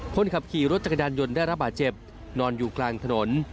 คนขับขี่รถจักรยานยนต์ได้ระบาดเจ็บนอนอยู่กลางถนน